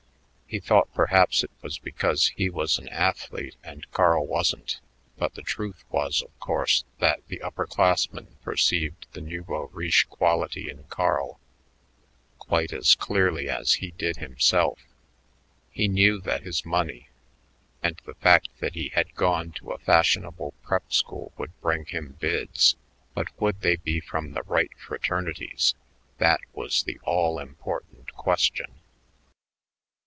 He thought perhaps it was because he was an athlete and Carl wasn't; but the truth was, of course, that the upper classmen perceived the nouveau riche quality in Carl quite as clearly as he did himself. He knew that his money and the fact that he had gone to a fashionable prep school would bring him bids, but would they be from the right fraternities? That was the all important question.